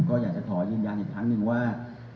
ก็อยากจะขอยืนยันอีกครั้งหนึ่งว่า